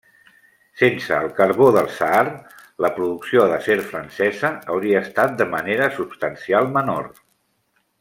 Sense el carbó del Saar, la producció d'acer francesa hauria estat de manera substancial menor.